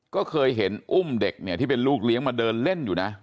ก็เคยเห็นอุ้มเด็กเนี่ยที่เป็นลูกเลี้ยงมาเดินเล่นอยู่นะ